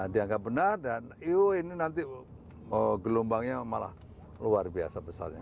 dianggap benar dan ini nanti gelombangnya malah luar biasa besarnya